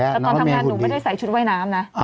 แต่ตอนทำงานหนูไม่ได้ใส่ชุดว่ายน้ำนะ